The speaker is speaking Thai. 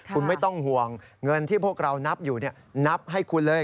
คุณไม่ต้องห่วงเงินที่พวกเรานับอยู่นับให้คุณเลย